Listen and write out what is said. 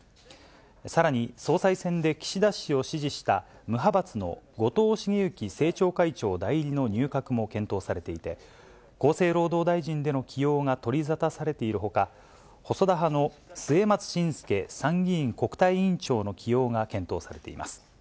さらに、総裁選で岸田氏を支持した無派閥の後藤茂之政調会長代理の入閣も検討されていて、厚生労働大臣での起用が取り沙汰されているほか、細田派の末松信介参議院国対委員長の起用が検討されています。